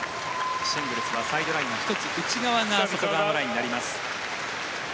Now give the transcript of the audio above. シングルスはサイドライン１つ内側が外側のラインになります。